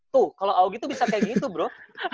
tuh kalau aogi tuh bisa kayak gitu bro